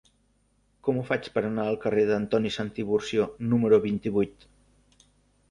Com ho faig per anar al carrer d'Antoni Santiburcio número vint-i-vuit?